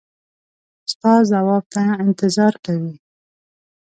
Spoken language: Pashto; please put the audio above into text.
ستا ځواب ته انتظار کوي.